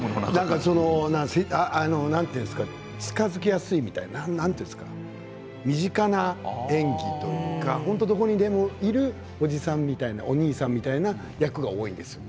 何ていうんですか近づきやすいみたいな身近な演技というか本当にどこにでもいるおじさんみたいなお兄さんみたいな役が多いんですよ。